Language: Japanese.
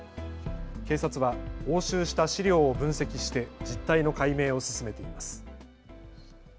警察は押収した資料を分析して実態の解明を進めています。